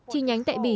chi nhánh tại bỉ